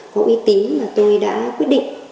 có uy tín mà tôi đã quyết định